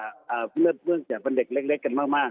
ตอนนี้ก็ถ้าว่าเรื่องจากเป็นเด็กเล็กกันมาก